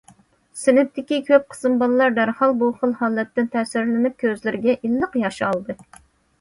سىنىپتىكى كۆپ قىسىم بالىلار دەرھال بۇ خىل ھالەتتىن تەسىرلىنىپ كۆزلىرىگە ئىللىق ياش ئالدى.